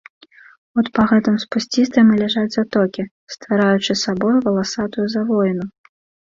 От па гэтым спусцістым і ляжаць затокі, ствараючы сабою валасатую завоіну.